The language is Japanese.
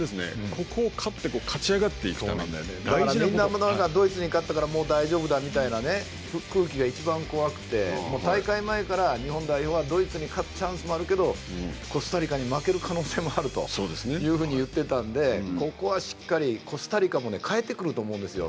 ここ勝って勝ち上がっていくためにドイツに勝ったから大丈夫だみたいな空気がいちばん怖くて大会前から日本代表はドイツに勝つチャンスもあるけどコスタリカに負ける可能性もあるというふうに言ってたのでここはしっかり、コスタリカも変えてくると思うんですよ